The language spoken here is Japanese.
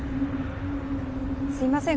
すみません